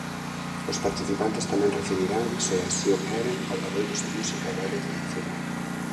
Os participantes tamén recibirán, se así o queren, obradoiros de música e baile tradicional.